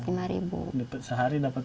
dapat sehari dapat lima